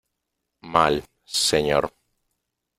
mal , señor .